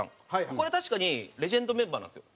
これ確かにレジェンドメンバーなんですよ。